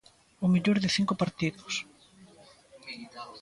O mellor de cinco partidos.